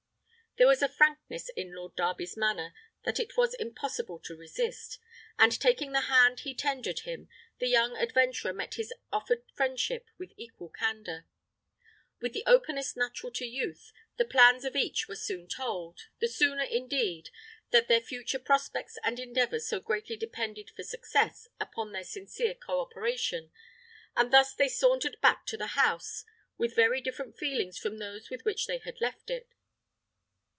There was a frankness in Lord Darby's manner that it was impossible to resist, and taking the hand he tendered him, the young adventurer met his offered friendship with equal candour. With the openness natural to youth, the plans of each were soon told, the sooner, indeed, that their future prospects and endeavours so greatly depended for success upon their sincere co operation, and thus they sauntered back to the house, with very different feelings from those with which they had left it.